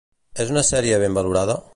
És una sèrie ben valorada?